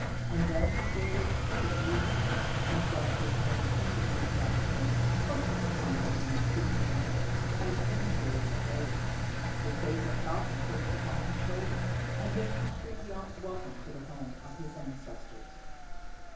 And then his favorite steed drew near, and thrust his nose into Frithiof's hand, hoping to find therein a piece of bread, as in the days of old. His favorite falcon perched upon his shoulder, and this was Frithiof's welcome to the home of his ancestors.